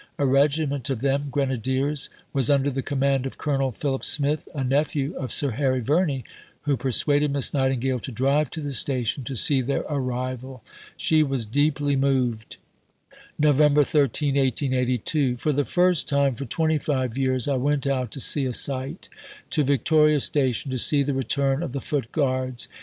A regiment of them (Grenadiers) was under the command of Colonel Philip Smith, a nephew of Sir Harry Verney, who persuaded Miss Nightingale to drive to the station to see their arrival. She was deeply moved: November 13 . For the first time for 25 years I went out to see a sight to Victoria Station to see the return of the Foot Guards.